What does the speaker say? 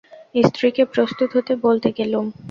স্ত্রীকে প্রস্তুত হতে বলতে গেলুম।